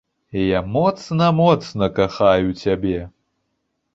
Я моцна-моцна кахаю цябе!!!